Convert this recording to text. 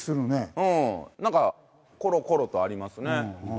うんなんかコロコロとありますね。